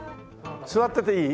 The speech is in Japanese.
座ってていい？